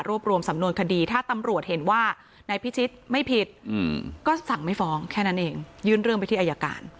รวมรวมสำนวนคดีถ้าตำรวจเห็นว่านายพิชิตไม่ผิดก็สั่งไม่ฟ้องแค่นั้นเองยื่นเรื่องไปที่อายการ